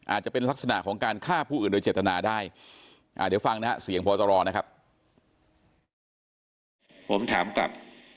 อาจจะเป็นลักษณะของการฆ่าผู้อื่นโดยเจตนาได้เดี๋ยวฟังนะฮะเสียงพตรนะครับ